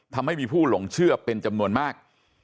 ทำให้มีผู้หลงเชื่อเป็นจำนวนมาก